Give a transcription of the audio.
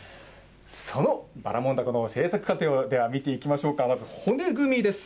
そのばらもんだこの製作過程をでは見ていきましょうか、まず骨組みです。